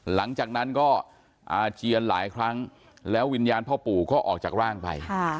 หลังจากนั้นก็อาเจียนหลายครั้งแล้ววิญญาณพ่อปู่ก็ออกจากร่างไป